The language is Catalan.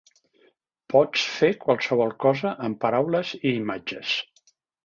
"Pots fer qualsevol cosa amb paraules i imatges".